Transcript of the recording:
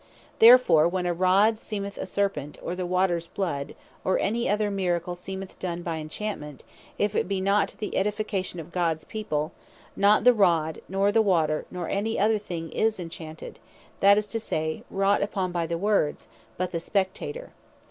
Therefore when a Rod seemeth a Serpent, or the Water Bloud, or any other Miracle seemeth done by Enchantment; if it be not to the edification of Gods people, not the Rod, nor the Water, nor any other thing is enchanted; that is to say, wrought upon by the Words, but the Spectator.